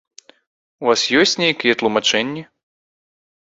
У вас ёсць нейкія тлумачэнні?